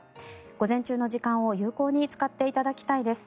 午前中の時間を有効に使っていただきたいです。